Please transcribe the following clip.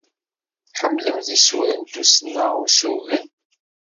Tḥemmlem isura n tussna n ussugen?